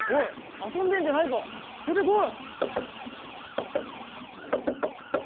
あそんでんじゃないぞでてこい。